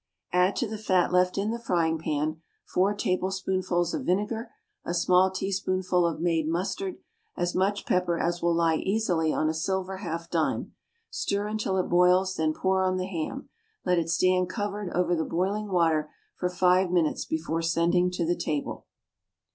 Add to the fat left in the frying pan: Four tablespoonfuls of vinegar. A small teaspoonful of made mustard. As much pepper as will lie easily on a silver half dime. Stir until it boils, then pour on the ham. Let it stand covered over the boiling water for five minutes before sending to the table.